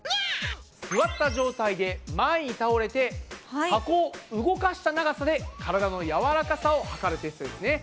座った状態で前に倒れて箱を動かした長さで体の柔らかさを測るテストですね。